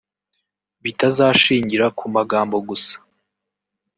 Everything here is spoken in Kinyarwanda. bitazashingira ku magambo gusa